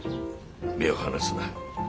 目を離すな。